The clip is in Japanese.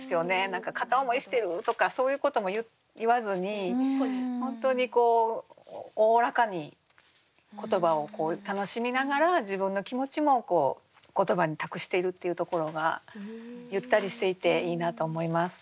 何か片思いしてるとかそういうことも言わずに本当にこうおおらかに言葉を楽しみながら自分の気持ちも言葉に託しているっていうところがゆったりしていていいなと思います。